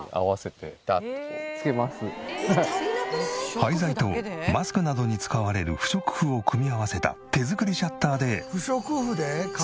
廃材とマスクなどに使われる不織布を組み合わせた手作りシャッターで隙間風対策。